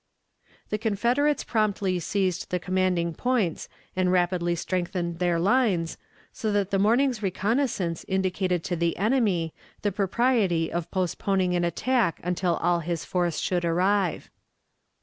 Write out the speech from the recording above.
The Confederates promptly seized the commanding points and rapidly strengthened their lines, so that the morning's reconnaissance indicated to the enemy the propriety of postponing an attack until all his force should arrive.